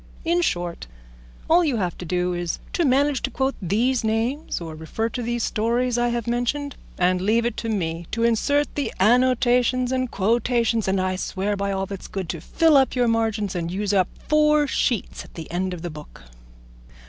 In short, all you have to do is to manage to quote these names, or refer to these stories I have mentioned, and leave it to me to insert the annotations and quotations, and I swear by all that's good to fill your margins and use up four sheets at the end of the book.